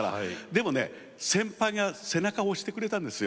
でもね先輩が背中を押してくれたんですよ。